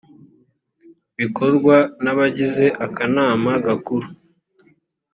bikorwa nabagize akanama gakuru.